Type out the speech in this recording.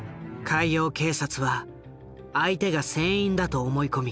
海洋警察は相手が船員だと思い込み